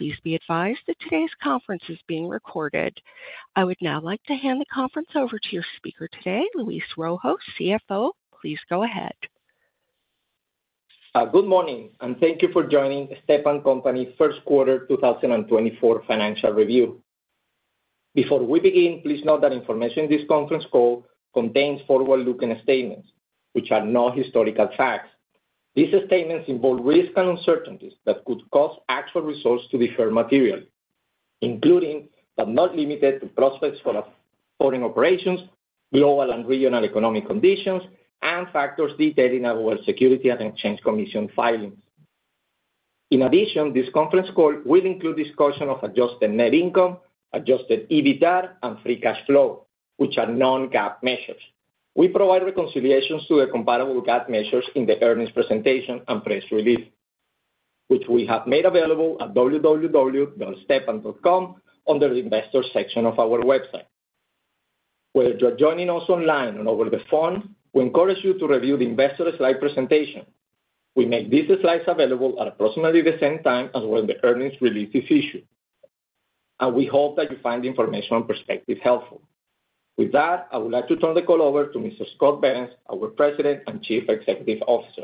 Please be advised that today's conference is being recorded. I would now like to hand the conference over to your speaker today, Luis Rojo, CFO. Please go ahead. Good morning, and thank you for joining Stepan Company first quarter 2024 financial review. Before we begin, please note that information in this conference call contains forward-looking statements, which are not historical facts. These statements involve risks and uncertainties that could cause actual results to differ materially, including, but not limited to, prospects for foreign operations, global and regional economic conditions, and factors detailed in our Securities and Exchange Commission filings. In addition, this conference call will include discussion of adjusted net income, adjusted EBITDA, and free cash flow, which are non-GAAP measures. We provide reconciliations to the comparable GAAP measures in the earnings presentation and press release, which we have made available at www.stepan.com, under the Investors section of our website. Whether you're joining us online and over the phone, we encourage you to review the investor slide presentation. We make these slides available at approximately the same time as when the earnings release is issued, and we hope that you find the information and perspective helpful. With that, I would like to turn the call over to Mr. Scott Behrens, our President and Chief Executive Officer.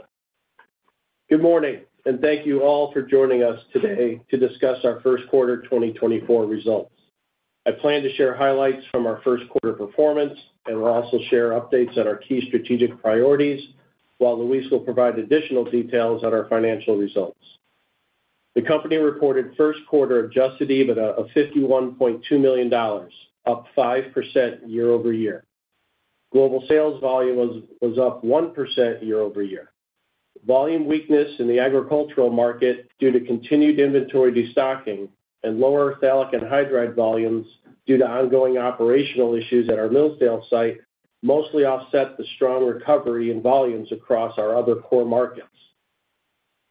Good morning, and thank you all for joining us today to discuss our first quarter 2024 results. I plan to share highlights from our first quarter performance, and we'll also share updates on our key strategic priorities, while Luis will provide additional details on our financial results. The company reported first quarter adjusted EBITDA of $51.2 million, up 5% year-over-year. Global sales volume was up 1% year-over-year. Volume weakness in the agricultural market, due to continued inventory destocking and lower phthalic anhydride volumes due to ongoing operational issues at our Millsdale site, mostly offset the strong recovery in volumes across our other core markets.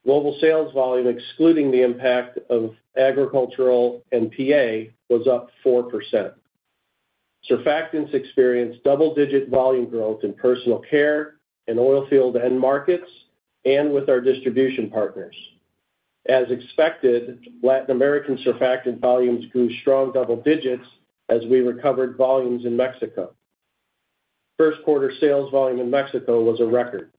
Global sales volume, excluding the impact of agricultural and PA, was up 4%. Surfactants experienced double-digit volume growth in personal care and oil field end markets and with our distribution partners. As expected, Latin American Surfactant volumes grew strong double digits as we recovered volumes in Mexico. First quarter sales volume in Mexico was a record.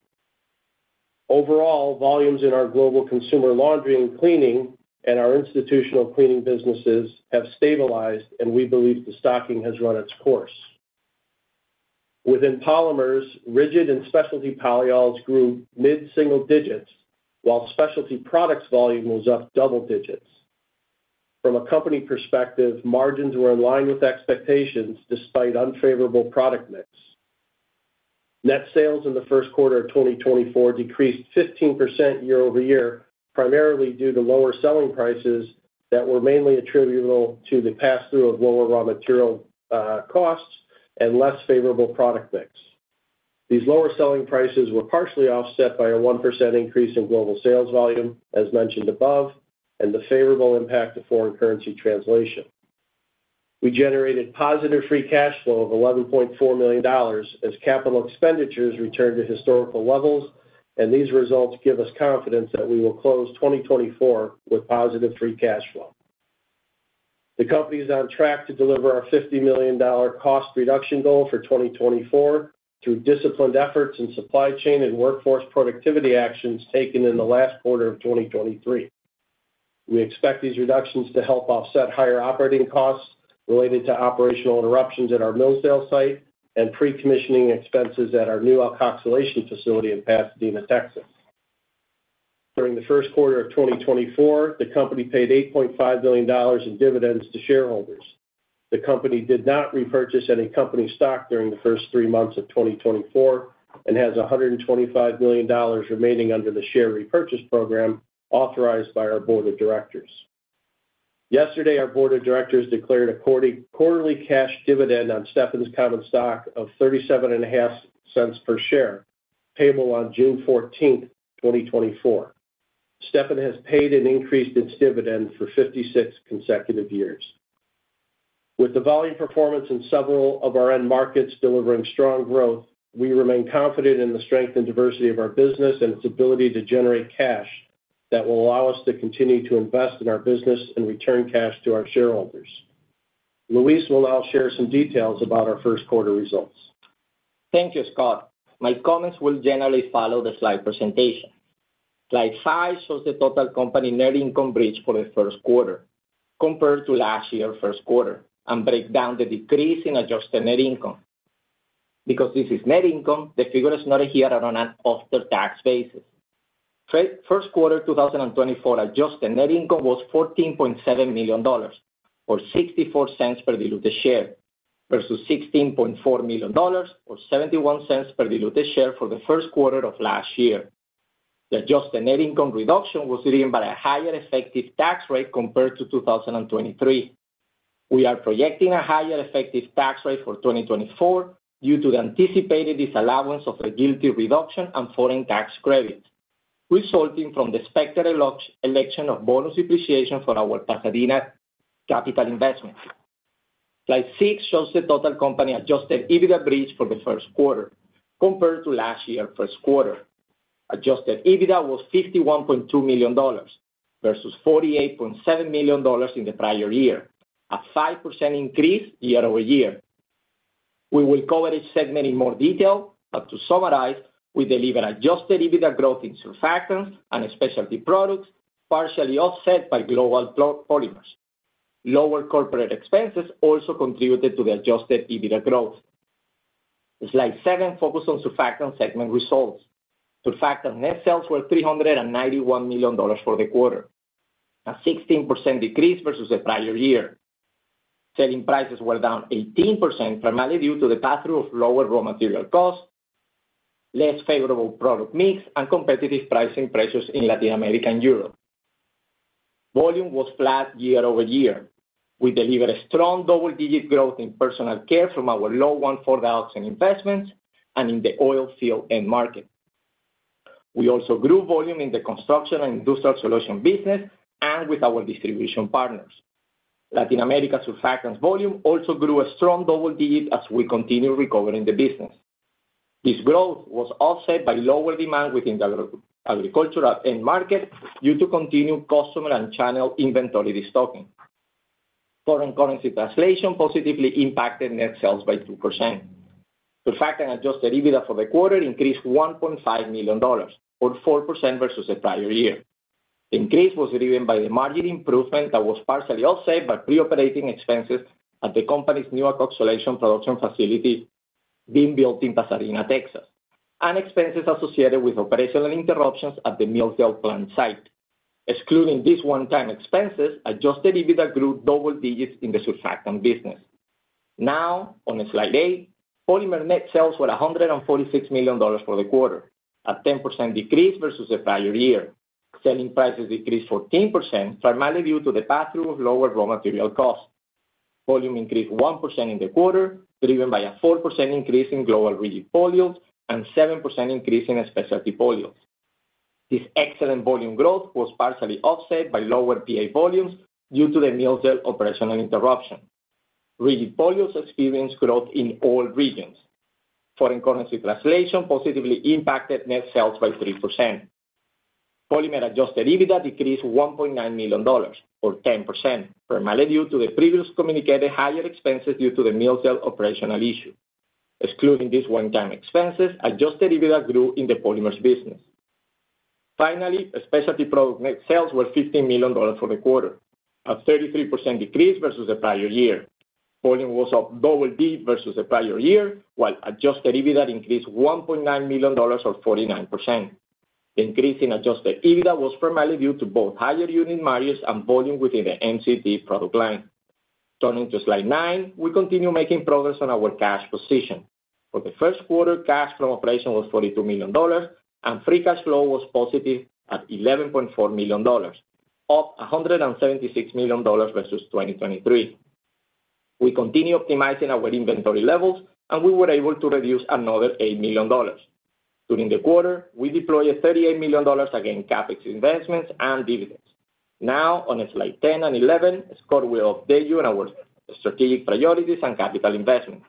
Overall, volumes in our global consumer laundry and cleaning and our institutional cleaning businesses have stabilized, and we believe the stocking has run its course. Within polymers, rigid and Specialty Polyols grew mid-single digits, while Specialty Products volume was up double digits. From a company perspective, margins were in line with expectations, despite unfavorable product mix. Net sales in the first quarter of 2024 decreased 15% year-over-year, primarily due to lower selling prices that were mainly attributable to the pass-through of lower raw material costs and less favorable product mix. These lower selling prices were partially offset by a 1% increase in global sales volume, as mentioned above, and the favorable impact of foreign currency translation. We generated positive free cash flow of $11.4 million as capital expenditures returned to historical levels, and these results give us confidence that we will close 2024 with positive free cash flow. The company is on track to deliver our $50 million cost reduction goal for 2024 through disciplined efforts in supply chain and workforce productivity actions taken in the last quarter of 2023. We expect these reductions to help offset higher operating costs related to operational interruptions at our Millsdale site and pre-commissioning expenses at our new alkoxylation facility in Pasadena, Texas. During the first quarter of 2024, the company paid $8.5 million in dividends to shareholders. The company did not repurchase any company stock during the first three months of 2024 and has $125 million remaining under the share repurchase program authorized by our board of directors. Yesterday, our board of directors declared a quarterly cash dividend on Stepan's common stock of $0.375 per share, payable on June fourteenth, 2024. Stepan has paid and increased its dividend for 56 consecutive years. With the volume performance in several of our end markets delivering strong growth, we remain confident in the strength and diversity of our business and its ability to generate cash that will allow us to continue to invest in our business and return cash to our shareholders. Luis will now share some details about our first quarter results. Thank you, Scott. My comments will generally follow the slide presentation. Slide 5 shows the total company net income bridge for the first quarter compared to last year's first quarter and break down the decrease in adjusted net income. Because this is net income, the figure is noted here on an after-tax basis. First quarter 2024 adjusted net income was $14.7 million, or $0.64 per diluted share, versus $16.4 million, or $0.71 per diluted share for the first quarter of last year. The adjusted net income reduction was driven by a higher effective tax rate compared to 2023. We are projecting a higher effective tax rate for 2024 due to the anticipated disallowance of an R&D reduction and foreign tax credit, resulting from the Section 168(k) election of bonus depreciation for our Pasadena capital investment. Slide six shows the total company Adjusted EBITDA bridge for the first quarter compared to last year first quarter. Adjusted EBITDA was $51.2 million, versus $48.7 million in the prior year, a 5% increase year-over-year. We will cover each segment in more detail, but to summarize, we delivered Adjusted EBITDA growth in surfactants and Specialty Products, partially offset by global polymers. Lower corporate expenses also contributed to the Adjusted EBITDA growth. Slide seven focuses on surfactant segment results. surfactant net sales were $391 million for the quarter, a 16% decrease versus the prior year. Selling prices were down 18%, primarily due to the pass-through of lower raw material costs, less favorable product mix, and competitive pricing pressures in Latin America and Europe. Volume was flat year-over-year. We delivered a strong double-digit growth in personal care from our low 1,4-dioxane investments and in the oil field end market. We also grew volume in the construction and Industrial Solution business and with our distribution partners. Latin America surfactants volume also grew a strong double digits as we continue recovering the business. This growth was offset by lower demand within the agricultural end market due to continued customer and channel inventory restocking. Foreign currency translation positively impacted net sales by 2%. surfactants adjusted EBITDA for the quarter increased $1.5 million, or 4% versus the prior year. Increase was driven by the margin improvement that was partially offset by pre-operating expenses at the company's new alkoxylation production facility being built in Pasadena, Texas, and expenses associated with operational interruptions at the Millsdale plant site. Excluding these one-time expenses, adjusted EBITDA grew double digits in the surfactant business. Now, on slide 8, Polymer net sales were $146 million for the quarter, a 10% decrease versus the prior year. Selling prices decreased 14%, primarily due to the pass-through of lower raw material costs. Volume increased 1% in the quarter, driven by a 4% increase in global Rigid Polyols, and seven percent increase in specialty polyols. This excellent volume growth was partially offset by lower PA volumes due to the Millsdale operational interruption. Rigid polyols experienced growth in all regions. Foreign currency translation positively impacted net sales by 3%. Polymers Adjusted EBITDA decreased $1.9 million, or 10%, primarily due to the previously communicated higher expenses due to the Millsdale operational issue. Excluding these one-time expenses, Adjusted EBITDA grew in the polymers business. Finally, specialty products net sales were $15 million for the quarter, a 33% decrease versus the prior year. Volume was up double-digit versus the prior year, while Adjusted EBITDA increased $1.9 million, or 49%. Increase in Adjusted EBITDA was primarily due to both higher unit margins and volume within the MCT product line. Turning to slide nine, we continue making progress on our cash position. For the first quarter, cash from operations was $42 million, and free cash flow was positive at $11.4 million, up $176 million versus 2023. We continue optimizing our inventory levels, and we were able to reduce another $8 million. During the quarter, we deployed $38 million against CapEx investments and dividends. Now, on slide 10 and 11, Scott will update you on our strategic priorities and capital investments.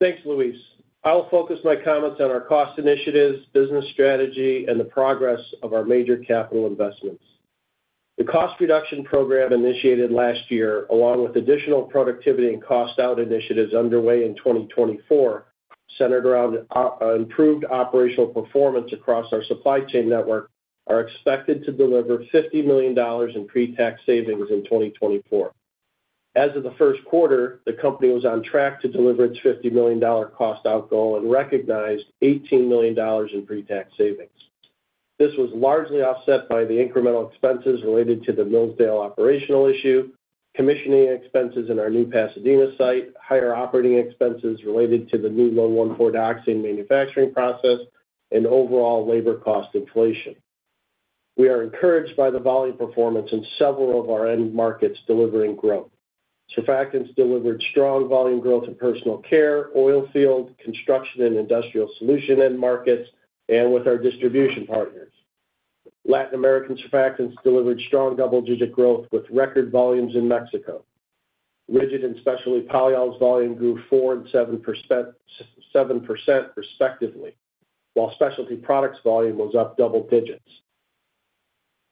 Thanks, Luis. I will focus my comments on our cost initiatives, business strategy, and the progress of our major capital investments. The cost reduction program initiated last year, along with additional productivity and cost-out initiatives underway in 2024, centered around improved operational performance across our supply chain network, are expected to deliver $50 million in pre-tax savings in 2024. As of the first quarter, the company was on track to deliver its $50 million cost-out goal and recognized $18 million in pre-tax savings. This was largely offset by the incremental expenses related to the Millsdale operational issue, commissioning expenses in our new Pasadena site, higher operating expenses related to the new low 1,4-dioxane manufacturing process, and overall labor cost inflation. We are encouraged by the volume performance in several of our end markets delivering growth. Surfactants delivered strong volume growth in personal care, oil field, construction, and industrial solution end markets, and with our distribution partners. Latin American surfactants delivered strong double-digit growth with record volumes in Mexico. Rigid and specialty polyols volume grew 4% and 7%, respectively, while specialty products volume was up double digits.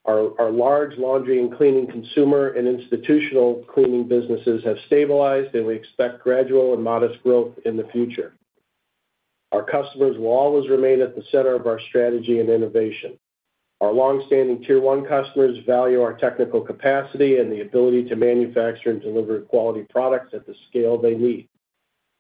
Our large laundry and cleaning consumer and institutional cleaning businesses have stabilized, and we expect gradual and modest growth in the future. Our customers will always remain at the center of our strategy and innovation. Our long-standing tier one customers value our technical capacity and the ability to manufacture and deliver quality products at the scale they need.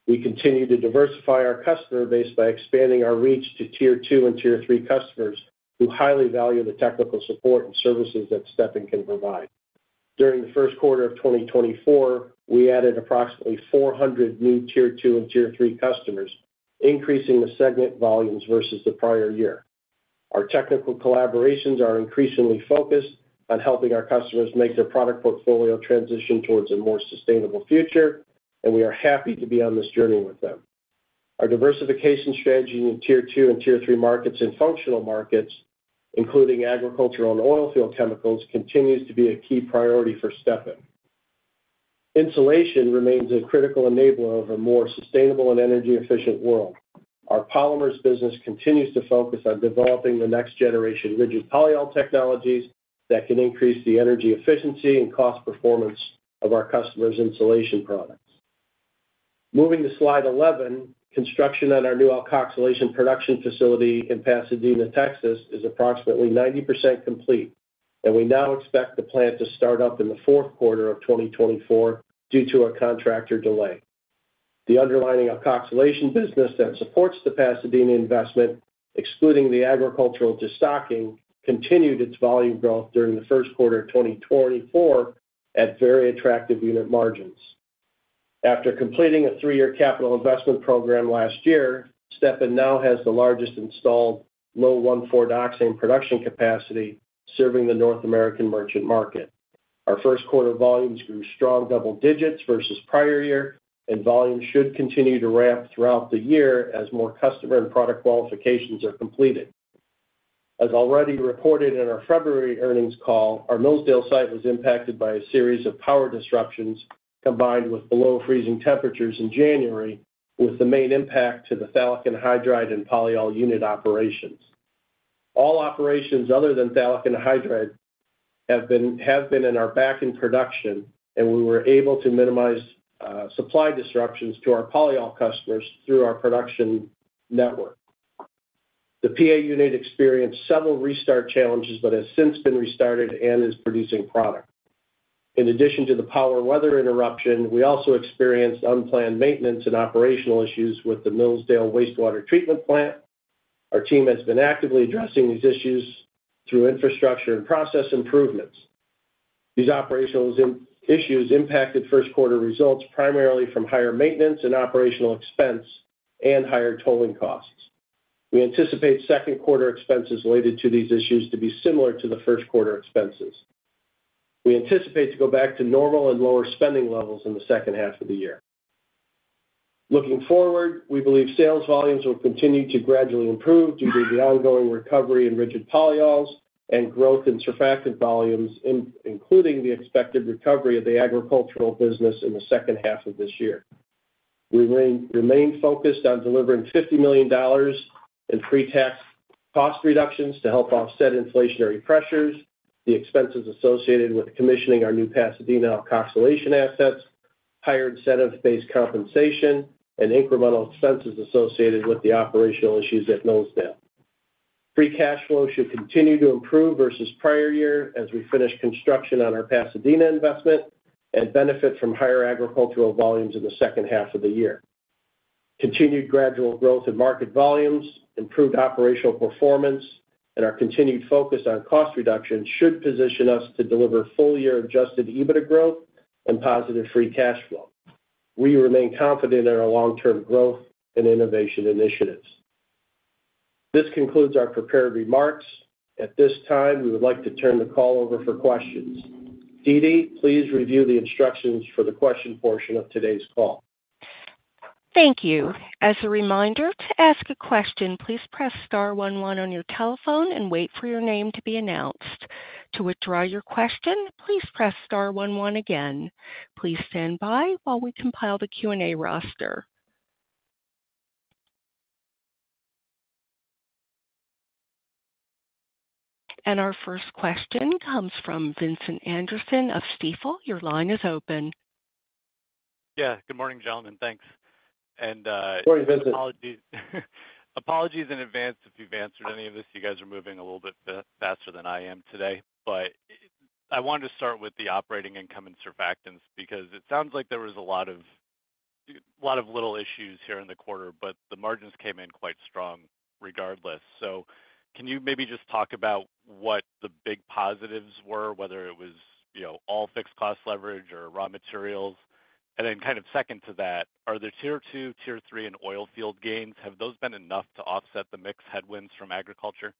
We continue to diversify our customer base by expanding our reach to tier two and tier three customers, who highly value the technical support and services that Stepan can provide. During the first quarter of 2024, we added approximately 400 new tier two and tier three customers, increasing the segment volumes versus the prior year. Our technical collaborations are increasingly focused on helping our customers make their product portfolio transition towards a more sustainable future, and we are happy to be on this journey with them.... Our diversification strategy in tier two and tier three markets and functional markets, including agricultural and oil field chemicals, continues to be a key priority for Stepan. Insulation remains a critical enabler of a more sustainable and energy-efficient world. Our polymers business continues to focus on developing the next generation rigid polyol technologies that can increase the energy efficiency and cost performance of our customers' insulation products. Moving to slide 11, construction on our new alkoxylation production facility in Pasadena, Texas, is approximately 90% complete, and we now expect the plant to start up in the fourth quarter of 2024 due to a contractor delay. The underlying alkoxylation business that supports the Pasadena investment, excluding the agricultural destocking, continued its volume growth during the first quarter of 2024 at very attractive unit margins. After completing a 3-year capital investment program last year, Stepan now has the largest installed low 1,4-dioxane production capacity, serving the North American merchant market. Our first quarter volumes grew strong double digits versus prior year, and volumes should continue to ramp throughout the year as more customer and product qualifications are completed. As already reported in our February earnings call, our Millsdale site was impacted by a series of power disruptions, combined with below freezing temperatures in January, with the main impact to the phthalic anhydride and polyol unit operations. All operations other than phthalic anhydride have been back in production, and we were able to minimize supply disruptions to our polyol customers through our production network. The PA unit experienced several restart challenges, but has since been restarted and is producing product. In addition to the power and weather interruption, we also experienced unplanned maintenance and operational issues with the Millsdale Wastewater Treatment Plant. Our team has been actively addressing these issues through infrastructure and process improvements. These operational issues impacted first quarter results, primarily from higher maintenance and operational expense and higher tolling costs. We anticipate second quarter expenses related to these issues to be similar to the first quarter expenses. We anticipate to go back to normal and lower spending levels in the second half of the year. Looking forward, we believe sales volumes will continue to gradually improve due to the ongoing recovery in rigid polyols and growth in surfactant volumes, including the expected recovery of the agricultural business in the second half of this year. We remain focused on delivering $50 million in pre-tax cost reductions to help offset inflationary pressures, the expenses associated with commissioning our new Pasadena alkoxylation assets, higher incentive-based compensation, and incremental expenses associated with the operational issues at Millsdale. Free cash flow should continue to improve versus prior year as we finish construction on our Pasadena investment and benefit from higher agricultural volumes in the second half of the year. Continued gradual growth in market volumes, improved operational performance, and our continued focus on cost reduction should position us to deliver full-year Adjusted EBITDA growth and positive free cash flow. We remain confident in our long-term growth and innovation initiatives. This concludes our prepared remarks. At this time, we would like to turn the call over for questions. Dee Dee, please review the instructions for the question portion of today's call. Thank you. As a reminder, to ask a question, please press star one one on your telephone and wait for your name to be announced. To withdraw your question, please press star one one again. Please stand by while we compile the Q&A roster. Our first question comes from Vincent Anderson of Stifel. Your line is open. Yeah, good morning, gentlemen. Thanks. Good morning, Vincent. Apologies in advance if you've answered any of this. You guys are moving a little bit faster than I am today. But I wanted to start with the operating income and surfactants, because it sounds like there was a lot of, lot of little issues here in the quarter, but the margins came in quite strong regardless. So can you maybe just talk about what the big positives were, whether it was, you know, all fixed cost leverage or raw materials? And then kind of second to that, are the tier two, tier three, and oil field gains, have those been enough to offset the mix headwinds from agriculture?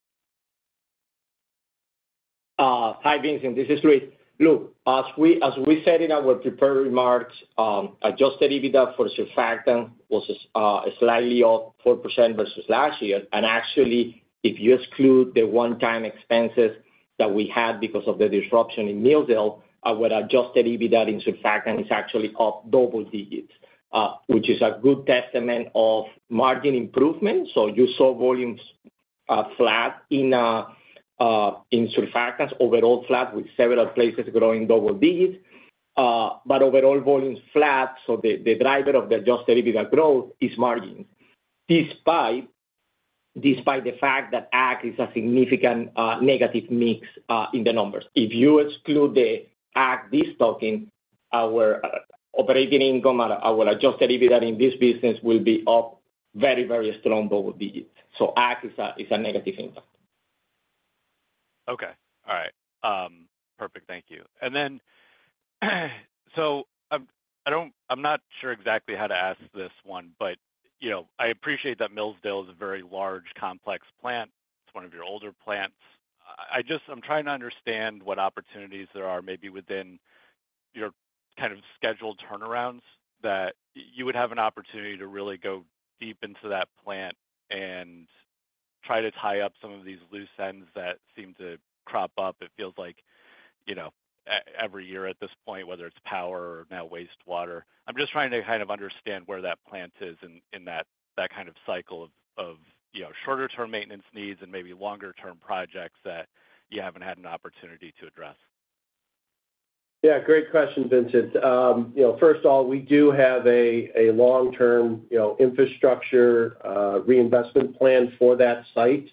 Hi, Vincent, this is Luis. Look, as we said in our prepared remarks, Adjusted EBITDA for surfactant was slightly up 4% versus last year. And actually, if you exclude the one-time expenses that we had because of the disruption in Millsdale, our Adjusted EBITDA in surfactant is actually up double digits, which is a good testament of margin improvement. So you saw volumes flat in surfactants, overall flat, with several places growing double digits, but overall volumes flat, so the driver of the Adjusted EBITDA growth is margin. Despite the fact that ag is a significant negative mix in the numbers. If you exclude the ag destocking, our operating income and our Adjusted EBITDA in this business will be up very, very strong double digits. So ag is a negative impact. Okay. All right. Perfect. Thank you. And then, so I don't, I'm not sure exactly how to ask this one, but, you know, I appreciate that Millsdale is a very large, complex plant. It's one of your older plants. I just, I'm trying to understand what opportunities there are maybe within your kind of scheduled turnarounds, that you would have an opportunity to really go deep into that plant and try to tie up some of these loose ends that seem to crop up, it feels like, you know, every year at this point, whether it's power or now wastewater. I'm just trying to kind of understand where that plant is in that kind of cycle of you know, shorter term maintenance needs and maybe longer term projects that you haven't had an opportunity to address. Yeah, great question, Vincent. You know, first of all, we do have a long-term, you know, infrastructure reinvestment plan for that site.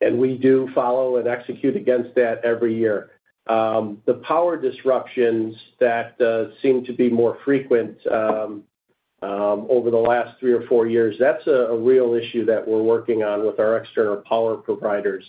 And we do follow and execute against that every year. The power disruptions that seem to be more frequent over the last three or four years, that's a real issue that we're working on with our external power providers.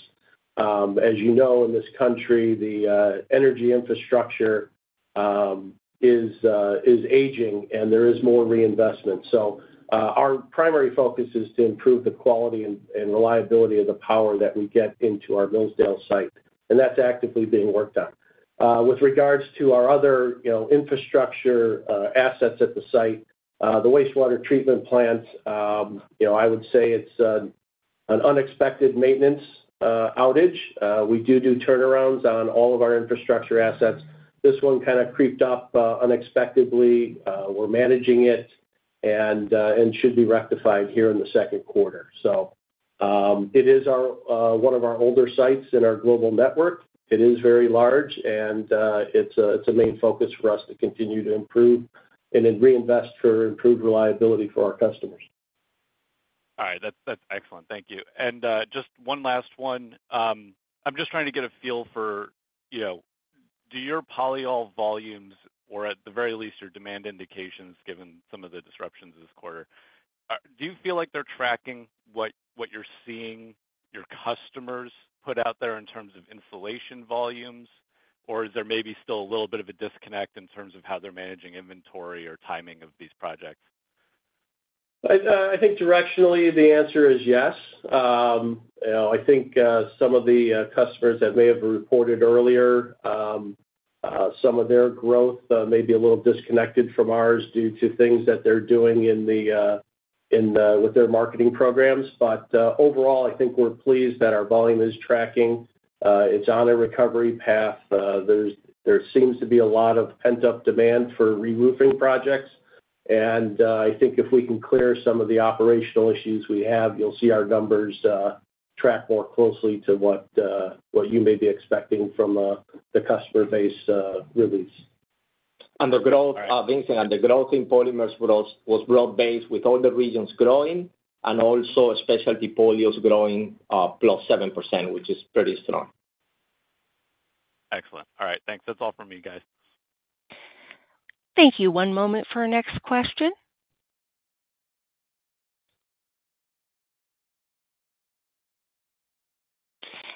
As you know, in this country, the energy infrastructure is aging, and there is more reinvestment. So, our primary focus is to improve the quality and reliability of the power that we get into our Millsdale site, and that's actively being worked on. With regards to our other, you know, infrastructure assets at the site, the wastewater treatment plant, you know, I would say it's an unexpected maintenance outage. We do do turnarounds on all of our infrastructure assets. This one kind of creeped up unexpectedly. We're managing it, and should be rectified here in the second quarter. So, it is one of our older sites in our global network. It is very large, and it's a main focus for us to continue to improve and then reinvest for improved reliability for our customers. All right. That's, that's excellent. Thank you. And just one last one. I'm just trying to get a feel for, you know, do your polyol volumes, or at the very least, your demand indications, given some of the disruptions this quarter, do you feel like they're tracking what, what you're seeing your customers put out there in terms of insulation volumes? Or is there maybe still a little bit of a disconnect in terms of how they're managing inventory or timing of these projects? I, I think directionally, the answer is yes. You know, I think, some of the customers that may have reported earlier, some of their growth, may be a little disconnected from ours due to things that they're doing with their marketing programs. But, overall, I think we're pleased that our volume is tracking. It's on a recovery path. There seems to be a lot of pent-up demand for reroofing projects, and, I think if we can clear some of the operational issues we have, you'll see our numbers track more closely to what, what you may be expecting from, the customer base release. The growth, Vincent, and the growth in polymers was broad-based, with all the regions growing and also Specialty Polyols growing +7%, which is pretty strong. Excellent. All right, thanks. That's all from me, guys. Thank you. One moment for our next question.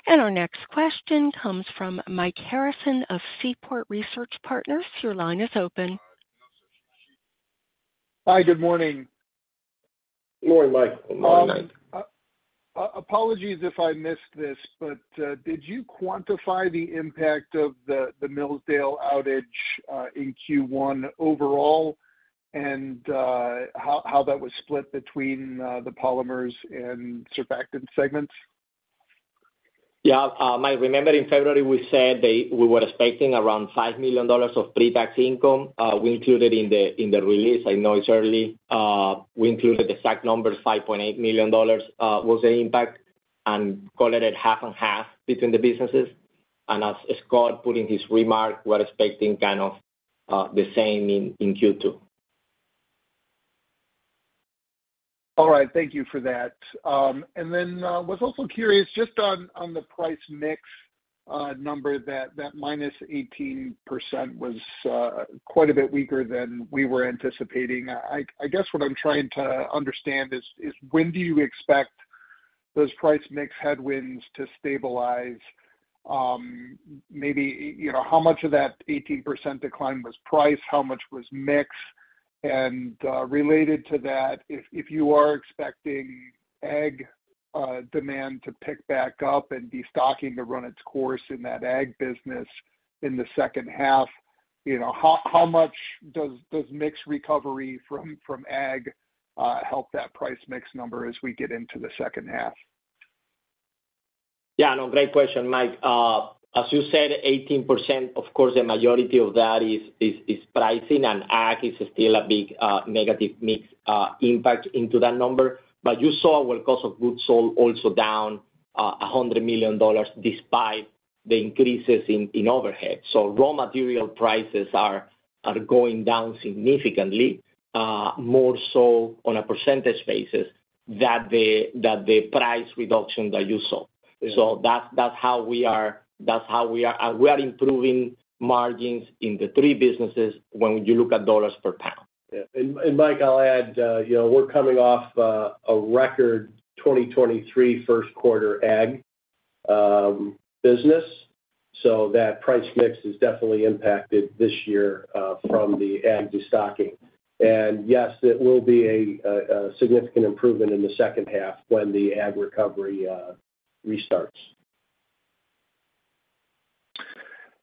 Our next question comes from Mike Harrison of Seaport Research Partners. Your line is open. Hi, good morning. Good morning, Mike. Apologies if I missed this, but did you quantify the impact of the Millsdale outage in Q1 overall, and how that was split between the polymers and surfactant segments? Yeah. Mike, remember in February, we said that we were expecting around $5 million of pre-tax income. We included in the release, I know it's early, we included the fact $5.8 million was the impact, and called it half and half between the businesses. And as Scott put in his remark, we're expecting kind of the same in Q2. All right. Thank you for that. And then I was also curious just on the price mix number, that minus 18% was quite a bit weaker than we were anticipating. I guess what I'm trying to understand is when do you expect those price mix headwinds to stabilize? Maybe, you know, how much of that 18% decline was price? How much was mix? And related to that, if you are expecting ag demand to pick back up and destocking to run its course in that ag business in the second half, you know, how much does mix recovery from ag help that price mix number as we get into the second half? Yeah, no, great question, Mike. As you said, 18%, of course, the majority of that is pricing, and ag is still a big negative mix impact into that number. But you saw our cost of goods sold also down $100 million, despite the increases in overhead. So raw material prices are going down significantly, more so on a percentage basis than the price reduction that you saw. Yeah. So that's how we are improving margins in the three businesses when you look at dollars per pound. Yeah. And Mike, I'll add, you know, we're coming off a record 2023 first quarter ag business. So that price mix is definitely impacted this year from the ag destocking. And yes, it will be a significant improvement in the second half when the ag recovery restarts.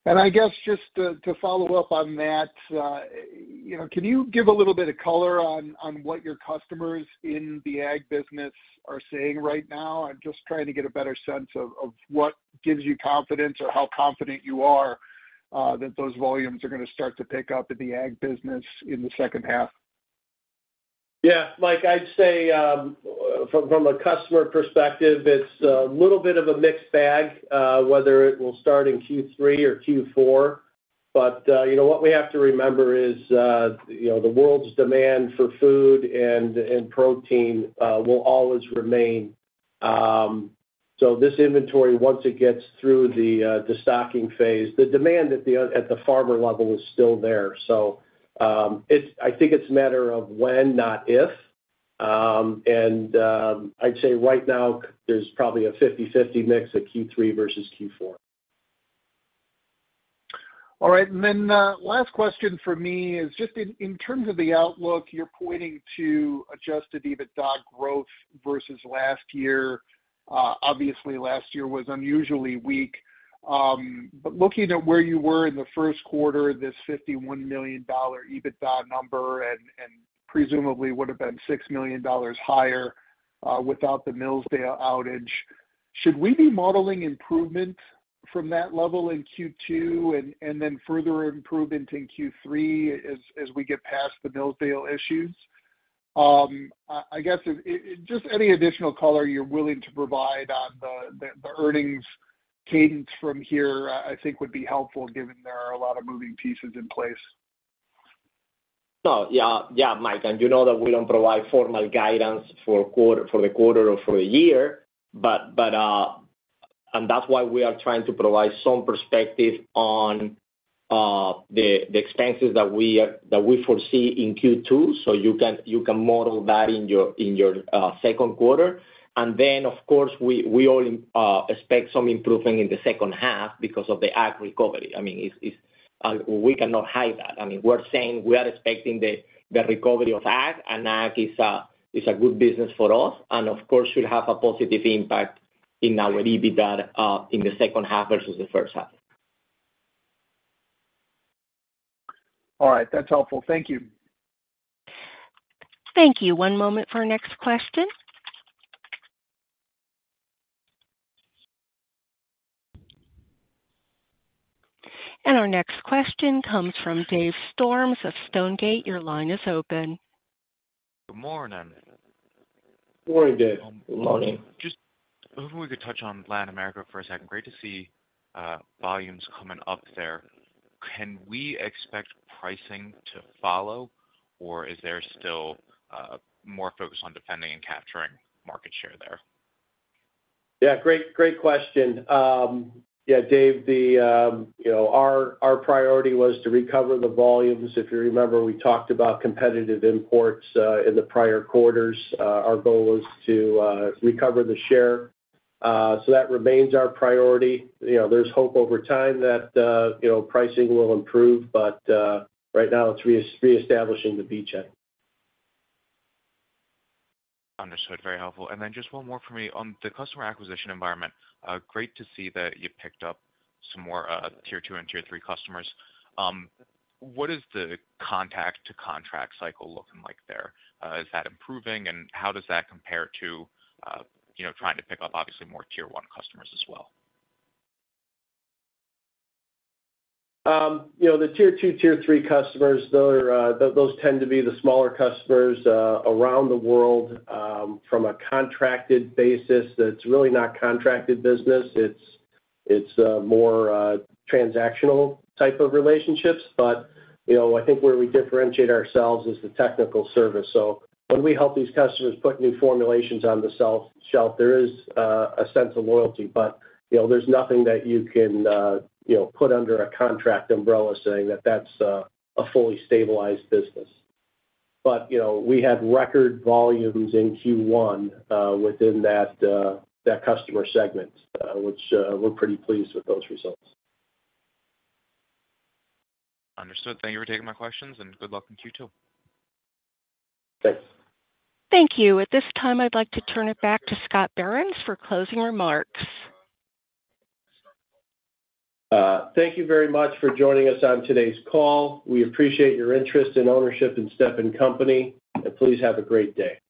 I guess just to follow up on that, you know, can you give a little bit of color on what your customers in the ag business are saying right now? I'm just trying to get a better sense of what gives you confidence or how confident you are that those volumes are gonna start to pick up in the ag business in the second half. Yeah, Mike, I'd say, from a customer perspective, it's a little bit of a mixed bag, whether it will start in Q3 or Q4. But, you know, what we have to remember is, you know, the world's demand for food and protein will always remain. So this inventory, once it gets through the stocking phase, the demand at the farmer level is still there. So, it's a matter of when, not if. And, I'd say right now there's probably a 50/50 mix of Q3 versus Q4. All right. And then, last question from me is just in terms of the outlook, you're pointing to Adjusted EBITDA growth versus last year. Obviously, last year was unusually weak. But looking at where you were in the first quarter, this $51 million EBITDA number, and presumably would have been $6 million higher, without the Millsdale outage, should we be modeling improvement from that level in Q2 and then further improvement in Q3 as we get past the Millsdale issues? I guess just any additional color you're willing to provide on the earnings cadence from here, I think would be helpful, given there are a lot of moving pieces in place. No, yeah, yeah, Mike, and you know that we don't provide formal guidance for the quarter or for a year, but and that's why we are trying to provide some perspective on the expenses that we foresee in Q2, so you can model that in your second quarter. And then, of course, we all expect some improving in the second half because of the ag recovery. I mean, we cannot hide that. I mean, we're saying we are expecting the recovery of ag, and ag is a good business for us, and of course, should have a positive impact in our EBITDA in the second half versus the first half. All right. That's helpful. Thank you. Thank you. One moment for our next question. Our next question comes from Dave Storms of Stonegate. Your line is open. Good morning. Good morning, Dave. Good morning. Just wondering if we could touch on Latin America for a second. Great to see, volumes coming up there. Can we expect pricing to follow, or is there still, more focus on defending and capturing market share there? Yeah, great, great question. Yeah, Dave, the, you know, our priority was to recover the volumes. If you remember, we talked about competitive imports in the prior quarters. Our goal was to recover the share. So that remains our priority. You know, there's hope over time that, you know, pricing will improve, but right now, it's reestablishing the beachhead. Understood. Very helpful. And then just one more for me. On the customer acquisition environment, great to see that you picked up some more, tier two and tier three customers. What is the contact to contract cycle looking like there? Is that improving? And how does that compare to, you know, trying to pick up, obviously, more Tier One customers as well? You know, the tier two, tier three customers, those are, those tend to be the smaller customers, around the world, from a contracted basis, that's really not contracted business. It's, it's, more, transactional type of relationships. But, you know, I think where we differentiate ourselves is the technical service. So when we help these customers put new formulations on the shelf, there is, a sense of loyalty, but, you know, there's nothing that you can, you know, put under a contract umbrella saying that that's, a fully stabilized business. But, you know, we had record volumes in Q1, within that, that customer segment, which, we're pretty pleased with those results. Understood. Thank you for taking my questions, and good luck in Q2. Thanks. Thank you. At this time, I'd like to turn it back to Scott Behrens for closing remarks. Thank you very much for joining us on today's call. We appreciate your interest and ownership in Stepan Company, and please have a great day.